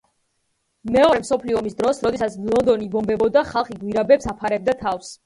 მეორე მსოფლიო ომის დროს, როდესაც ლონდონი იბომბებოდა, ხალხი გვირაბებს აფარებდა თავს.